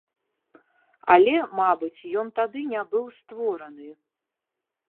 Але, мабыць, ён тады не быў створаны.